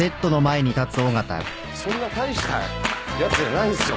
そんな大したやつじゃないんすよ